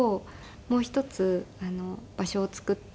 もう一つ場所を作って。